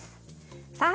さあ